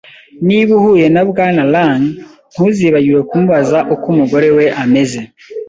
Niba uhuye na Bwana Lang, ntuzibagirwe kumubaza uko umugore we ameze.